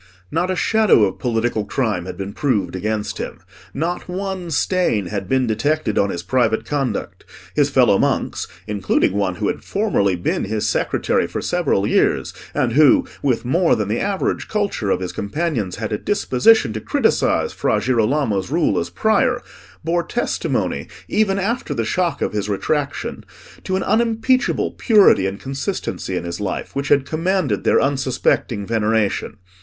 Not a shadow of political crime had been proved against him. Not one stain had been detected on his private conduct: his fellow monks, including one who had formerly been his secretary for several years, and who, with more than the average culture of his companions, had a disposition to criticise Fra Girolamo's rule as Prior, bore testimony, even after the shock of his retraction, to an unimpeachable purity and consistency in his life, which had commanded their unsuspecting veneration.